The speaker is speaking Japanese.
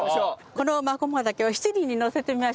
このマコモダケを七輪にのせてみましょう。